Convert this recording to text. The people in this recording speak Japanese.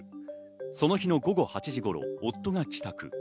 その日の午後８時頃、夫が帰宅。